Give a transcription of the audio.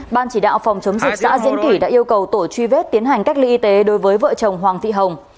ban chỉ đạo phòng chống dịch xã diễn kỷ đã yêu cầu tổ truy vết tiến hành cách ly y tế đối với vợ chồng hoàng thị hồng